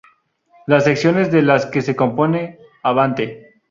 Las secciones de las que se compone "Avante!